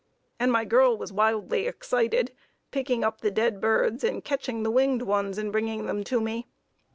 And my girl was wildly excited, picking up the dead birds and catching the winged ones and bringing them to me.